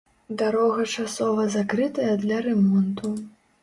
Дарога часова закрытая для рамонту.